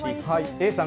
Ａさん